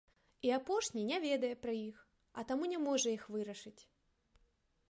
І апошні не ведае пра іх, а таму не можа іх вырашыць.